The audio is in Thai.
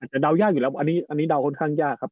แต่เดายากอยู่แล้วอันนี้เดาค่อนข้างยากครับ